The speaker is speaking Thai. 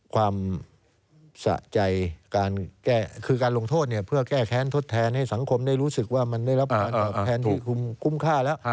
ความสะใจคือการลงโทษเนี่ยเพื่อแก้แค้นทดแทนให้สังคมได้รู้สึกว่ามันได้รับแทนที่คุ้มค่าแล้ว